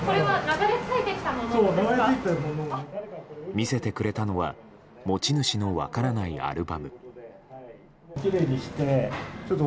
見せてくれたのは持ち主の分からないアルバム。